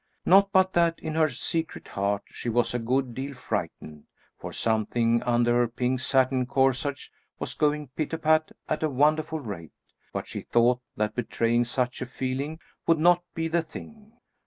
Not but that in her secret heart she was a good deal frightened, for something under her pink satin corsage was going pit a pat at a wonderful rate; but she thought that betraying such a feeling would not be the thing.